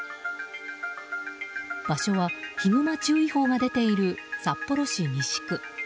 場所はヒグマ注意報が出ている札幌市西区。